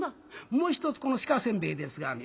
もう一つこの鹿煎餅ですがね